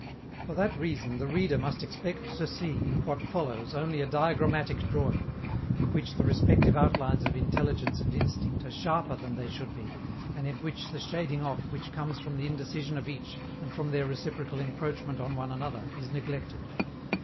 For that reason the reader must expect to see in what follows only a diagrammatic drawing, in which the respective outlines of intelligence and instinct are sharper than they should be, and in which the shading off which comes from the indecision of each and from their reciprocal encroachment on one another is neglected.